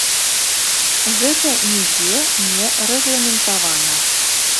Гэта нідзе не рэгламентавана.